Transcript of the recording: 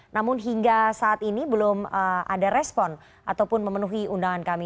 namun hingga saat ini belum ada respon ataupun memenuhi undangan kami